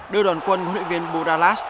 đưa đoàn quân của huyện viên budalas